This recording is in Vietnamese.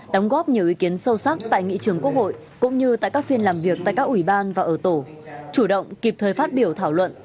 đóng góp nhiều ý kiến sâu sắc tại nghị trường quốc hội cũng như tại các phiên làm việc tại các ủy ban và ở tổ chủ động kịp thời phát biểu thảo luận